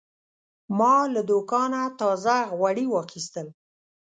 ما له دوکانه تازه غوړي واخیستل.